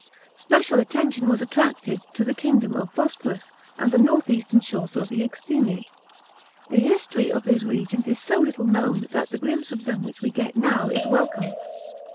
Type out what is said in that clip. Special attention was attracted tc the kingdom of Bosporus and the north eastern shores of the Knxine. The history of these regions is so little known that the glimpse of them which we get now is welcome.